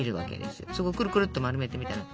そこくるくるっと丸めてみたら。